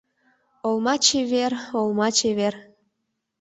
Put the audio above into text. Олма чевер, олма чевер